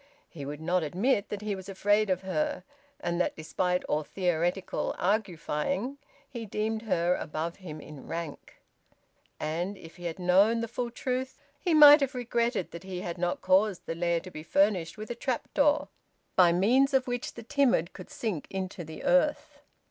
He would not admit that he was afraid of her, and that despite all theoretical argufying, he deemed her above him in rank. And if he had known the full truth, he might have regretted that he had not caused the lair to be furnished with a trap door by means of which the timid could sink into the earth.